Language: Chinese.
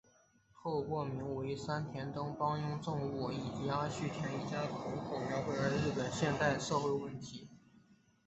透过名为三田灯的帮佣家政妇以及阿须田一家五口来描绘日本现代社会问题。